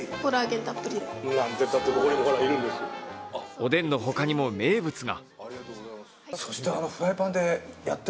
おでんの他にも名物が。